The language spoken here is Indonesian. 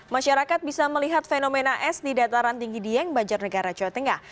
masyarakat bisa melihat fenomena es di dataran tinggi dieng banjarnegara jawa tengah